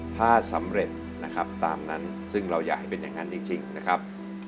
ถ้าสำเร็จนะครับตามนั้นซึ่งเราอยากให้เป็นอย่างนั้นจริงนะครับ